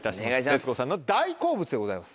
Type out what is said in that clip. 徹子さんの大好物でございます。